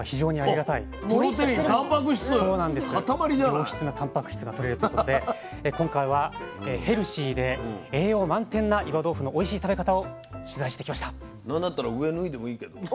良質なたんぱく質がとれるということで今回はヘルシーで栄養満点な岩豆腐のおいしい食べ方を取材してきました。